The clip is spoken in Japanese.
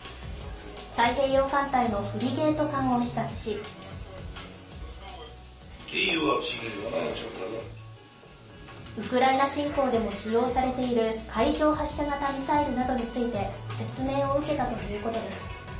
太平洋艦隊のフリゲート艦を視察しウクライナ侵攻でも使用されている海上発射型ミサイルなどについて説明を受けたということです。